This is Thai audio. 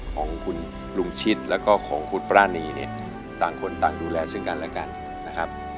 ของคุณลุงชิดแล้วก็ของคุณปรานีเนี่ยต่างคนต่างดูแลซึ่งกันและกันนะครับ